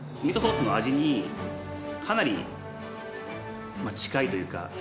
ミートソースの味にかなり近いというか。